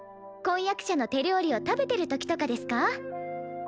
婚約者の手料理を食べてるときとかですか？